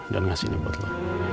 dan ngasih ini buat lo